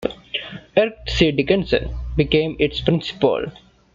Eric C. Dickinson became its Principal.